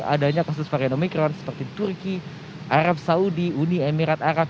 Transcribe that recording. adanya kasus varian omikron seperti turki arab saudi uni emirat arab